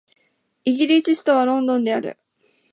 イギリスの首都はロンドンである